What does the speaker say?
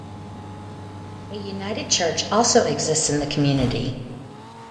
A United Church also exists in the community.